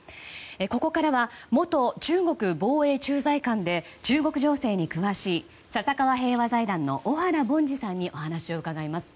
ここからは元中国防衛駐在官で中国情勢に詳しい笹川平和財団の小原凡司さんにお話を伺います。